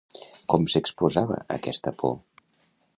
Com exposava aquesta por?